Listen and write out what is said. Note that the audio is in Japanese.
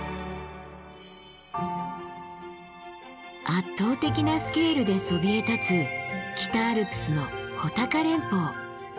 圧倒的なスケールでそびえ立つ北アルプスの穂高連峰。